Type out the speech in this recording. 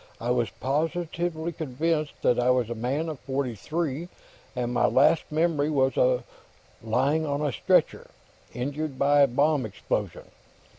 "I was positively convinced that I was a man of forty three, and my last memory was of lying on a stretcher, injured by a bomb explosion.